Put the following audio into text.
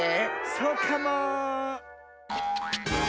そうかも。